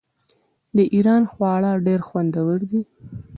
د ایران خواړه ډیر خوندور دي.